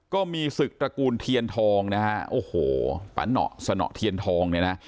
ก็มีศึกตระกูลเทียนทองนะฮะโอ้โหปาหนอสนอเทียนทองเนี่ยนะ